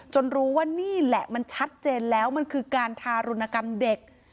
รู้ว่านี่แหละมันชัดเจนแล้วมันคือการทารุณกรรมเด็ก